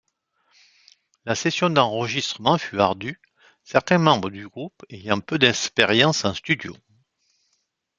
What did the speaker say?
La session d'enregistrement fut ardue, certains membres du groupe ayant peu d'expérience en studio.